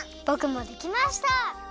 ぼくもできました！